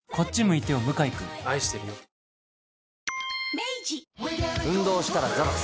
明治運動したらザバス。